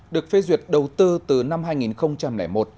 được phê duyệt đầu tư từ năm hai nghìn một